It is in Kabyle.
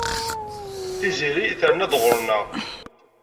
Tiziri terna-d ɣur-neɣ.